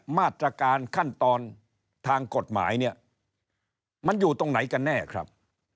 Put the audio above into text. มาตรการขั้นตอนทางกฎหมายเนี่ยมันอยู่ตรงไหนกันแน่ครับ